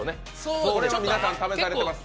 これは皆さん試されています。